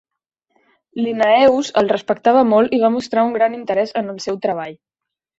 Linnaeus el respectava molt i va mostrar un gran interès en el seu treball.